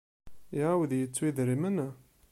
Iɛawed yettu idrimen?